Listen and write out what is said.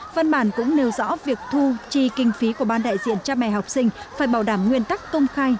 văn bản cũng nêu rõ việc thu chi kinh phí của ban đại diện cha mẹ học sinh phải bảo đảm nguyên tắc công khai